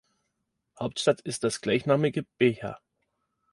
Hauptstadt ist das gleichnamige Beja.